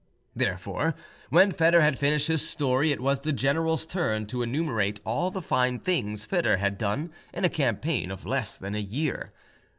Therefore, when Foedor had finished his story, it was the general's turn to enumerate all the fine things Foedor had done in a campaign of less than a year.